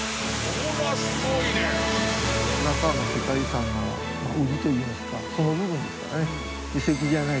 白川の世界遺産の売りといいますかその部分ですかね。